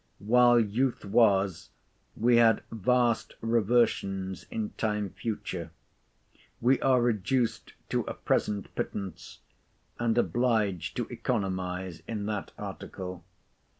While youth was, we had vast reversions in time future; we are reduced to a present pittance, and obliged to economise in that article.